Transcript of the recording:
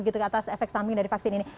karena ada efek samping dari vaksin ini